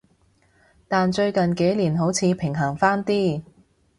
但最近幾年好似平衡返啲